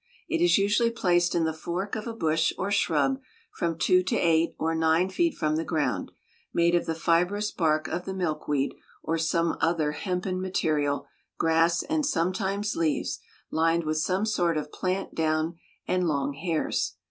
It is usually placed in the fork of a bush or shrub from two to eight or nine feet from the ground, made of the fibrous bark of the milk weed, or some other hempen material, grass and sometimes leaves, lined with some sort of plant down and long hairs.